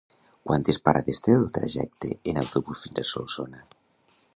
Quantes parades té el trajecte en autobús fins a Solsona?